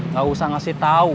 gak usah ngasih tau